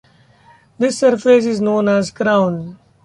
This surface is known as "crown".